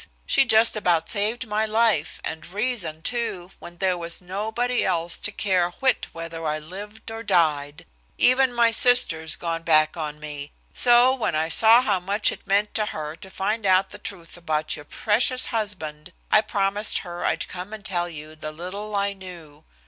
She just about saved my life and reason, too, when there was nobody else to care a whit whether I lived or died. Even my sister's gone back on me. So when I saw how much it meant to her to find out the truth about your precious husband, I promised her I'd come and tell you the little I knew."